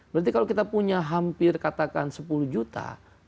berarti kalau kita punya hampir katakan sepuluh juta